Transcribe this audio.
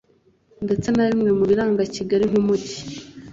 ndetse na bimwe mu biranga Kigali nk’umujyi